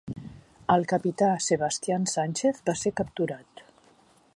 El capità Sebastian Sanchez va ser capturat.